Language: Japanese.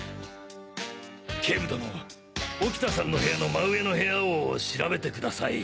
警部殿沖田さんの部屋の真上の部屋を調べてください。